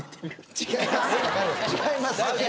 違います